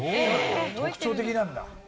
特徴的なんだ。